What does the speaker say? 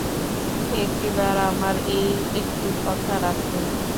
একটিবার আমার এই একটি কথা রাখো।